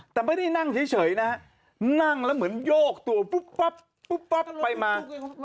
แต่ไม่ได้นั่งเฉยนะฮะนั่งแล้วเหมือนโยกตัวปุ๊บปั๊บปุ๊บปั๊บไปมา